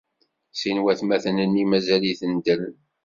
Sin watmaten-nni mazal-iten ddren.